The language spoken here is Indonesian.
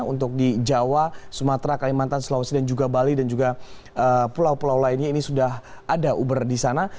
untuk di jawa sumatera kalimantan sulawesi dan juga bali dan juga pulau pulau lainnya ini sudah ada uber di sana